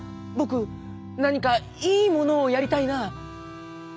ぼくなにかいいものをやりたいな」。